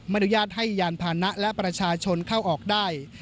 อนุญาตให้ยานพานะและประชาชนเข้าออกได้